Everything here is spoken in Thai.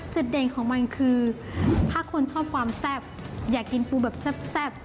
เด่นของมันคือถ้าคนชอบความแซ่บอยากกินปูแบบแซ่บ